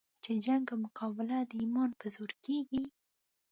چې جنګ او مقابله د ایمان په زور کېږي.